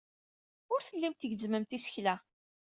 Ur tellimt tgezzmemt isekla.